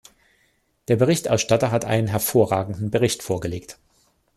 Der Berichterstatter hat einen hervorragenden Bericht vorgelegt.